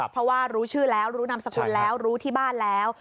เพราะว่ารู้ชื่อแล้วรู้นามสกุลแล้วรู้ที่บ้านแล้ว